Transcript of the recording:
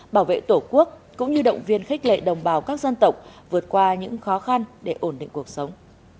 bảo vệ tổ quốc cũng như động viên khích lệ đồng bào các dân tộc vượt qua những khó khăn để ổn định cuộc sống